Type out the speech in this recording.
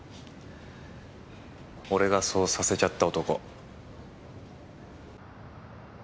俺がそうさせちゃった男。